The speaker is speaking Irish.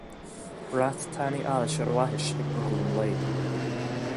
Brat tanaí allais ar a bhaithis ag brothall an lae.